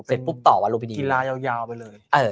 เสร็จปุ๊บต่อคนรวมินีกิลายาวยาวไปเลยเอ่อ